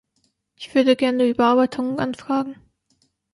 Ich würde gerne Überarbeitungen anfragen.